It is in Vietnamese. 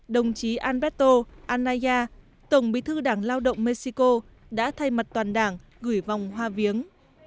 đồng chí alberto anayya tổng bí thư đảng lao động mexico đã thay mặt toàn đảng gửi vòng hoa viếng